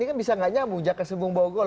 ini kan bisa gak nyamu jaket sembung bau gol